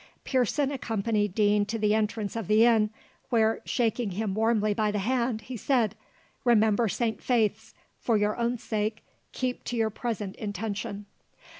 Pearson accompanied Deane to the entrance of the inn, where, shaking him warmly by the hand, he said, "Remember Saint Faith's; for your own sake keep to your present intention."